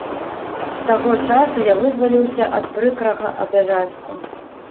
З таго часу я вызваліўся ад прыкрага абавязку.